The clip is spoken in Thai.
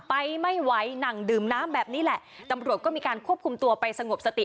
ไปไม่ไหวนั่งดื่มน้ำแบบนี้แหละตำรวจก็มีการควบคุมตัวไปสงบสติ